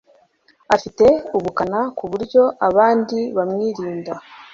Afite ubukana kuburyo abandi bamwirinda